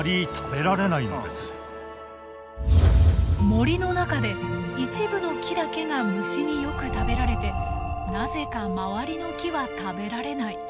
森の中で一部の木だけが虫によく食べられてなぜか周りの木は食べられない。